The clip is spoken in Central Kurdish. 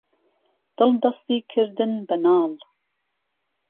دڵ دەستی کردن بهناڵ